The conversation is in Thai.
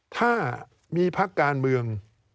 ถ้ามีพักการเมือง